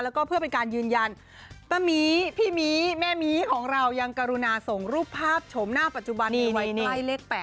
แล้วก็เพื่อเป็นการยืนยันป้ามีพี่หมีแม่มีของเรายังกรุณาส่งรูปภาพชมหน้าปัจจุบันนี้ไว้ใกล้เลข๘